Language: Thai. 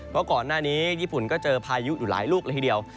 เพราะก่อนหน้านี้ญี่ปุ่นก็เจอพายุอยู่หลายลูกเลยทีเดียว